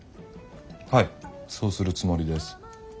はいそうするつもりです。